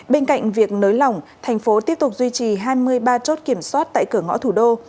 bên cạnh việc nới lỏng thành phố tiếp tục duy trì hai mươi ba chốt kiểm soát tại cửa ngõ thủ đô